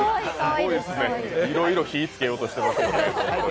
いろいろ火、つけようとしてますね。